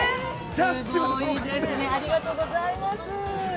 ありがとうございます。